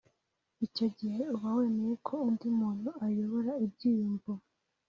Icyo gihe uba wemeye ko undi muntu ayobora ibyiyumvo